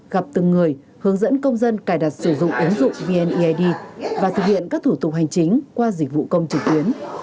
gặp từng người hướng dẫn công dân cài đặt sử dụng ứng dụng vneid và thực hiện các thủ tục hành chính qua dịch vụ công trực tuyến